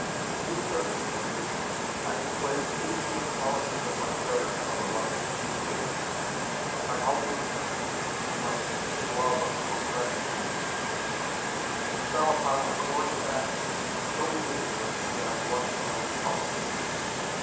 In these circumstances I displayed the two chief qualities of my character on the largest scale my helplessness and my instinctive love of procrastination and fell upon a course of action so ridiculous that I blush when I recall it.